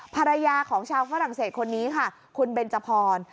ภรรยาของชาวฝรั่งเศสคนนี้ค่ะคุณเบนจพร